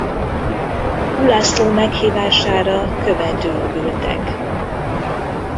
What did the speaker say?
Ulászló meghívására követül küldtek.